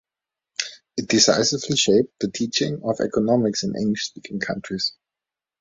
It decisively shaped the teaching of economics in English-speaking countries.